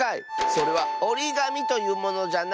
それはおりがみというものじゃな。